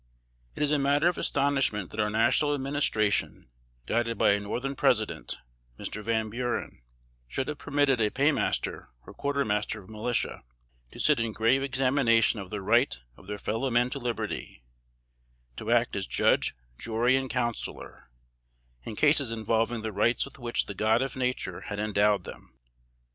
It is a matter of astonishment that our National Administration, guided by a Northern President (Mr. Van Buren), should have permitted a pay master or quarter master of militia, to sit in grave examination of the right of their fellow men to liberty; to act as judge, jury and counselor, in cases involving the rights with which the God of Nature had endowed them.